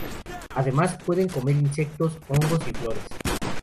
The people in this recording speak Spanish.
Además pueden comer insectos, hongos y flores.